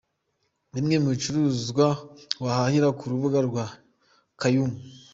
Bimwe mu bicuruzwa wahahira ku rubuga rwa Kaymu.